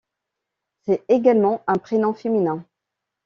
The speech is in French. C'est également un prénom féminin.